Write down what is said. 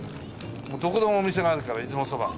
どこでもお店があるから出雲そば。